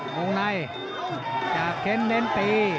ลงในจับเค้นเลนส์ตี